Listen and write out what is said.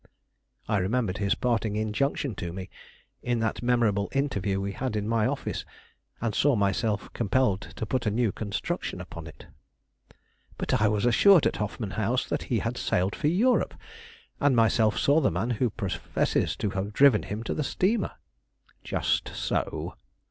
I remembered his parting injunction to me, in that memorable interview we had in my office, and saw myself compelled to put a new construction upon it. "But I was assured at the Hoffman House that he had sailed for Europe, and myself saw the man who professes to have driven him to the steamer." "Just so."